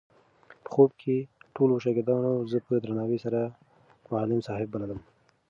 په خوب کې ټولو شاګردانو زه په درناوي سره معلم صاحب بللم.